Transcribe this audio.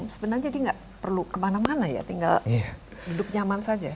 sebenarnya jadi nggak perlu kemana mana ya tinggal duduk nyaman saja